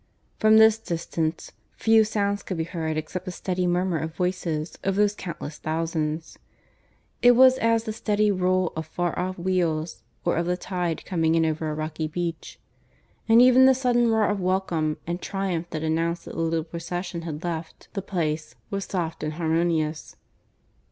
From this distance few sounds could be heard except the steady murmur of voices of those countless thousands. It was as the steady roll of far off wheels or of the tide coming in over a rocky beach; and even the sudden roar of welcome and triumph that announced that the little procession had left the Place was soft and harmonious.